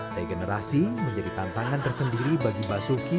regenerasi menjadi tantangan tersendiri bagi basuki